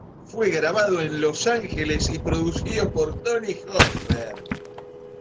Fue grabado en Los Ángeles y producido por Tony Hoffer.